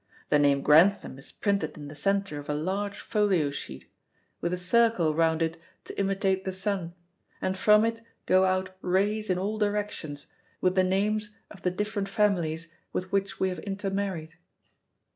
The name Grantham is printed in the centre of a large folio sheet, with a circle round it to imitate the sun, and from it go out rays in all directions, with the names of the different families with which we have intermarried."